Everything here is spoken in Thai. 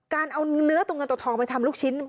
การเอาเนื้อตัวเงินตัวทองไปทำลูกชิ้น